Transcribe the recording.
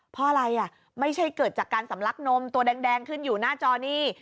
เพราะอะไรอ่ะไม่ใช่เกิดจากการสำลักนมตัวแดงขึ้นอยู่หน้าจอนี้